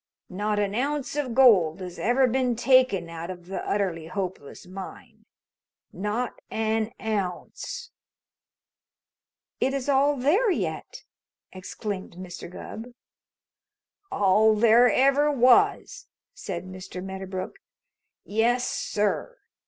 Not an ounce of gold has ever been taken out of the Utterly Hopeless Mine. Not an ounce." "It is all there yet!" exclaimed Mr. Gubb. "All there ever was," said Mr. Medderbrook. "Yes, sir!